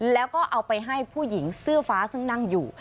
แล้วก็เอาไปให้ผู้หญิงเสื้อฟ้าซึ่งนั่งอยู่